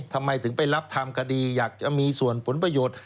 ทำไมถึงไปรับทำคดีอยากจะมีส่วนผลประโยชน์